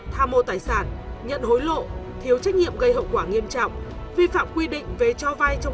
tham mô tài sản nhận hối lộ thiếu trách nhiệm gây hậu quả nghiêm trọng vi phạm quy định về cho vay trong